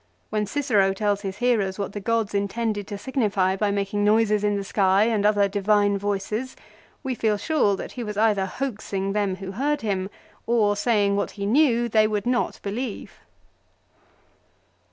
When Cicero tells his hearers what the gods intended to signify by making noises in the sky and other divine voices, we feel sure that he was either hoaxing them who heard him, or saying what he knew they would not believe.